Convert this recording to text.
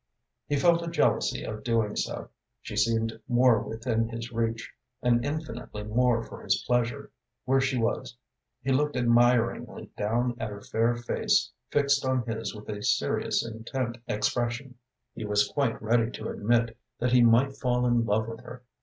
He felt a jealousy of doing so. She seemed more within his reach, and infinitely more for his pleasure, where she was. He looked admiringly down at her fair face fixed on his with a serious, intent expression. He was quite ready to admit that he might fall in love with her.